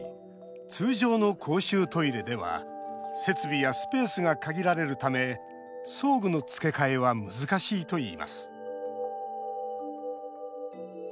通常の公衆トイレでは設備やスペースが限られるため装具の付け替えは難しいといいます。